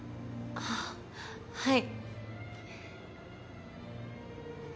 あぁはい。